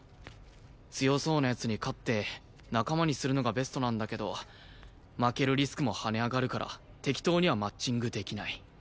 強そうな奴に勝って仲間にするのがベストなんだけど負けるリスクも跳ね上がるから適当にはマッチングできない。